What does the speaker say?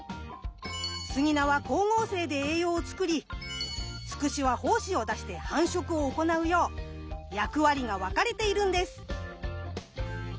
スギナは光合成で栄養を作りツクシは胞子を出して繁殖を行うよう役割が分かれているんです。